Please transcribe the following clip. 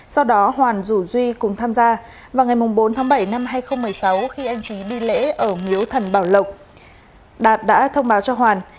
sau đó hoàn rủ duy cùng tham gia vào ngày bốn tháng bảy năm hai nghìn một mươi sáu khi anh trí đi lễ ở miếu thần bảo lộc đạt đã thông báo cho hoàn